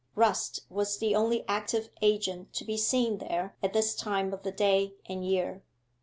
Rust was the only active agent to be seen there at this time of the day and year.